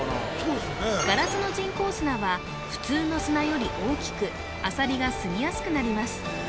ガラスの人工砂は普通の砂より大きくアサリがすみやすくなります